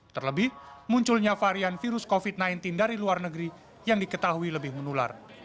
terlebih munculnya varian virus covid sembilan belas dari luar negeri yang diketahui lebih menular